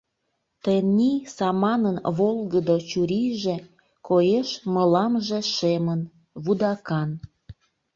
Тений саманын волгыдо чурийже Коеш мыламже шемын, вудакан.